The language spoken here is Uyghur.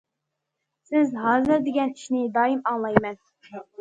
سىز ھازىر دېگەن ئىشنى دائىم ئاڭلايمەن.